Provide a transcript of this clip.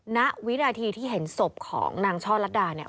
ณวินาทีที่เห็นศพของนางช่อลัดดาเนี่ย